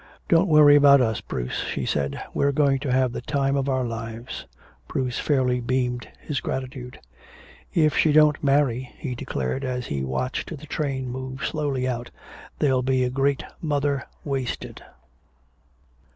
"Don't worry about us, Bruce," she said. "We're going to have the time of our lives!" Bruce fairly beamed his gratitude. "If she don't marry," he declared, as he watched the train move slowly out, "there'll be a great mother wasted."